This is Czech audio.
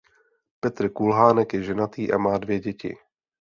Petr Kulhánek je ženatý a má dvě děti.